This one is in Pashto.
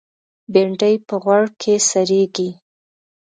بېنډۍ په غوړ کې سرېږي